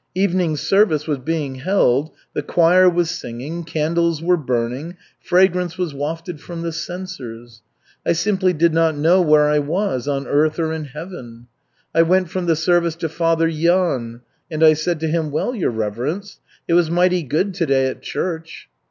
Evening service was being held, the choir was singing, candles were burning, fragrance was wafted from the censers. I simply did not know where I was on earth or in Heaven. I went from the service to Father Yon, and I said to him: 'Well, your Reverence, it was mighty good today at church.'